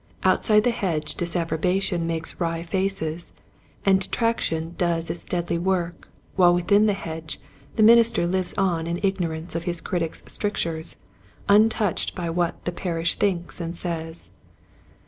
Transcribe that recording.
Outside the hedge disapprobation makes wry faces and de traction does its deadly work while within the hedge the minister lives on in ignor ance of his critics' strictures, untouched by what the parish thinks and says.